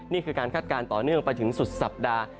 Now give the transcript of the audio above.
นี่คือการคาดการณ์ต่อเนื่องไปถึงสุดสัปดาห์